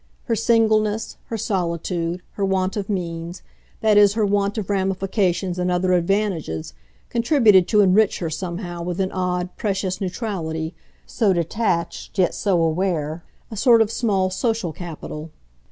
Her singleness, her solitude, her want of means, that is her want of ramifications and other advantages, contributed to enrich her somehow with an odd, precious neutrality, to constitute for her, so detached yet so aware, a sort of small social capital.